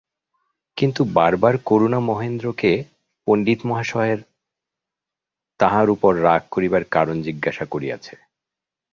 কিন্তু বারবার করুণা মহেন্দ্রকে পণ্ডিতমহাশয়ের তাহার উপর রাগ করিবার কারণ জিজ্ঞাসা করিয়াছে।